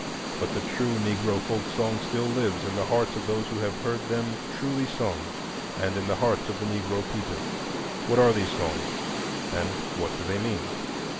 But the true Negro folk song still lives in the hearts of those who have heard them truly sung and in the hearts of the Negro people. What are these songs, and what do they mean?